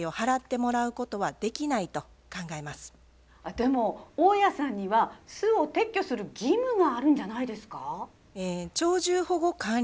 でも大家さんには巣を撤去する義務があるんじゃないですか？